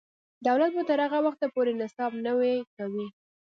دولت به تر هغه وخته پورې نصاب نوی کوي.